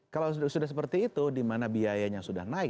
kalau sudah seperti itu di mana biayanya sudah naik